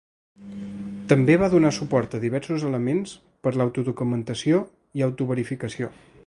També va donar suport a diversos elements per a l'autodocumentació i autoverificació.